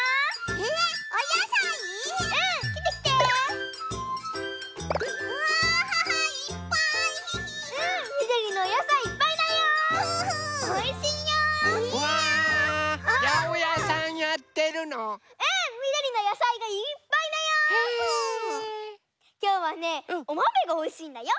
きょうはねおまめがおいしいんだよ。